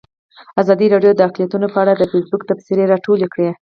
ازادي راډیو د اقلیتونه په اړه د فیسبوک تبصرې راټولې کړي.